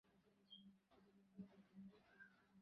এখানে ভয়ানক গন্ধ পাচ্ছি।